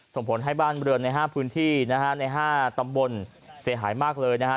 ส่งผลให้บ้านเรือนใน๕พื้นที่นะฮะใน๕ตำบลเสียหายมากเลยนะฮะ